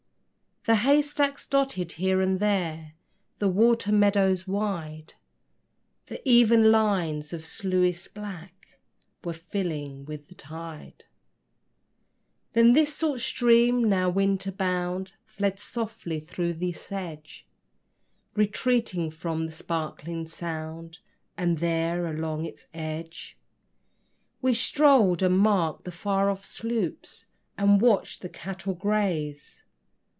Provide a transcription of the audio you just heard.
The hay stacks dotted here and there The water meadows wide: The even lines of sluices black Were filling with the tide. Then this salt stream, now winter bound, Fled softly through the sedge, Retreating from the sparkling Sound; And there along its edge We strolled, and marked the far off sloops, And watched the cattle graze.